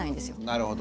なるほど。